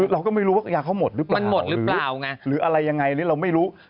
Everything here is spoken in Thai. เราก็ไม่รู้ว่ายาเขาหมดหรือเปล่าหรืออะไรยังไงเราไม่รู้